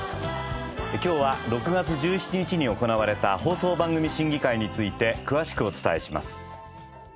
今日は６月１７日に行われた放送番組審議会について詳しくお伝えします。